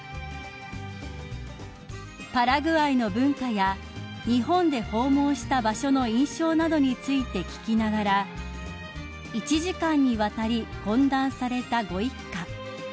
［パラグアイの文化や日本で訪問した場所の印象などについて聞きながら１時間にわたり懇談されたご一家］